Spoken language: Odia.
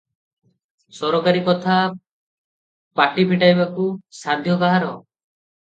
ସରକାରୀ କଥା, ପାଟି ଫିଟାଇବାକୁ ସାଧ୍ୟ କାହାର?